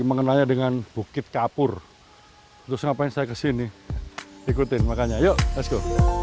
mengenalnya dengan bukit kapur terus ngapain saya kesini ikutin makanya yuk esko